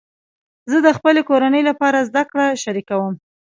زه د خپلې کورنۍ لپاره زده کړه شریکوم.